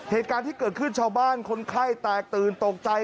เหตุการณ์ที่เกิดขึ้นชาวบ้านคนไข้แตกตื่นตกใจ